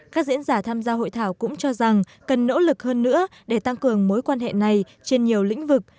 các diễn giả tham gia hội thảo cũng cho rằng cần nỗ lực hơn nữa để tăng cường mối quan hệ này trên nhiều lĩnh vực